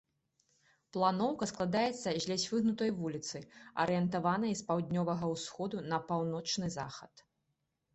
Планоўка складаецца з ледзь выгнутай вуліцы, арыентаванай з паўднёвага ўсходу на паўночны захад.